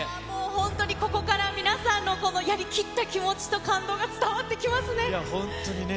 本当にここから皆さんのこのやりきった気持ちと感動が伝わっ本当にね。